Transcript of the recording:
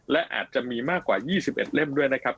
และอาจจะมีมากกว่า๒๑เล่มด้วยนะครับ